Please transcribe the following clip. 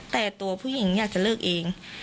แต่ตัวผู้หญิงอยากจะเลิกเอง